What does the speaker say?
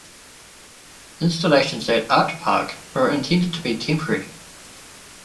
Installations at Artpark were intended to be temporary.